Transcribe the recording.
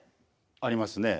ありますね。